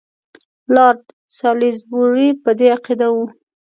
لارډ سالیزبوري په دې عقیده وو.